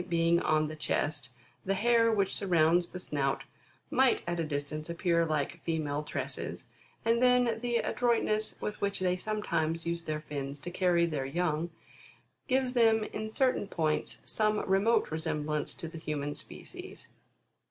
being on the chest, tfie hair which surrounds the snout, might at a distance appear like female tresses ; and then the adroitness with which they sometimes use their fins to carry their young, gives them in certain points, some remote resem blance to the human species.